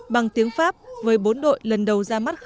bằng tiếng pháp với bốn đội lần đầu